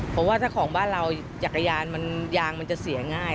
เพราะว่าถ้าของบ้านเราจักรยานมันยางมันจะเสียง่าย